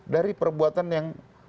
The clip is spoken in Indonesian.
dari perbuatan yang